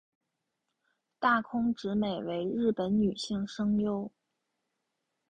大空直美为日本女性声优。